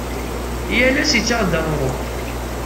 Yal ass ittaɣ-d aɣrum.